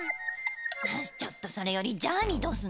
ちょっとそれよりジャーニーどうすんの？